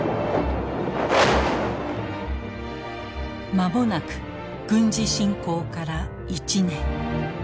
間もなく軍事侵攻から１年。